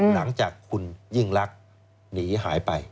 หลังจากคุณยิ่งลักษณ์หนีหายไป